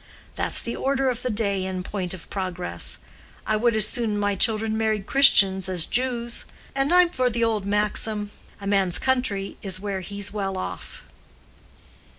That's the order of the day in point of progress. I would as soon my children married Christians as Jews. And I'm for the old maxim, 'A man's country is where he's well off.